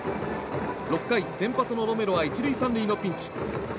６回、先発のロメロは１塁３塁のピンチ。